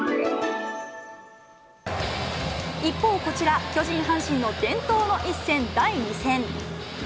一方、こちら、巨人・阪神の伝統の一戦、第２戦。